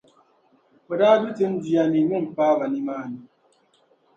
n daa du tin’ duya ni ni m paai ba nimaani.